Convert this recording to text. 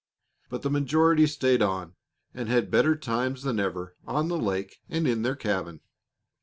But the majority stayed on and had better times than ever on the lake and in their cabin.